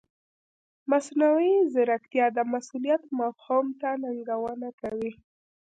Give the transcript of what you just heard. مصنوعي ځیرکتیا د مسؤلیت مفهوم ته ننګونه کوي.